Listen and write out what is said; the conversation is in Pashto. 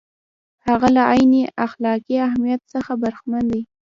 هغه له عیني اخلاقي اهمیت څخه برخمن دی.